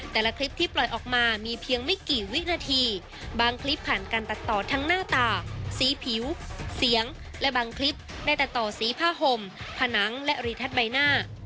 คลิปที่ปล่อยออกมามีเพียงไม่กี่วินาทีบางคลิปผ่านการตัดต่อทั้งหน้าตาสีผิวเสียงและบางคลิปได้แต่ต่อสีผ้าห่มผนังและรีทัศน์ใบหน้า